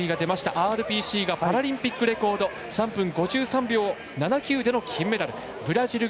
ＲＰＣがパラリンピックレコード３分５３秒７９でのフィニッシュ。